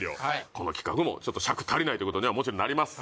この企画もちょっと尺足りないということにはもちろんなります